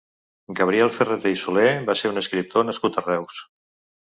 Gabriel Ferrater i Soler va ser un escriptor nascut a Reus.